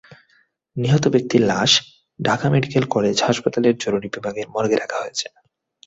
নিহত ব্যক্তির লাশ ঢাকা মেডিকেল কলেজ হাসপাতালের জরুরি বিভাগের মর্গে রাখা হয়েছে।